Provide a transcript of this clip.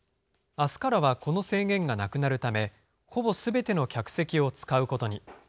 あすからはこの制限がなくなるため、ほぼすべての客席を使うことに。